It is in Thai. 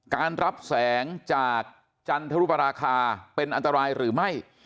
การรับแสงจากจันทรุปราคาเป็นอันตรายหรือไม่